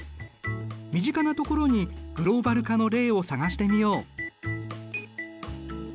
身近なところにグローバル化の例を探してみよう。